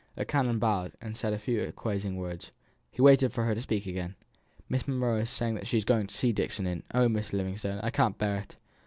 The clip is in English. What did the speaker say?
The canon bowed, and said a few acquiescing words. He waited for her to speak again. "Miss Monro says she is going to see Dixon in " "Oh, Mr. Livingstone, I can't bear it!"